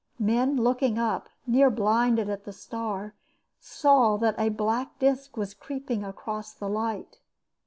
Men looking up, near blinded, at the star, saw that a black disc was creeping across the light.